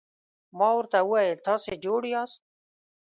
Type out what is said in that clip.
ما ورته وویل: تاسي جوړ یاست؟